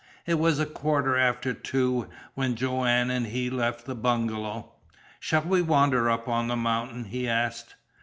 It was a quarter after two when Joanne and he left the bungalow. "Shall we wander up on the mountain?" he asked.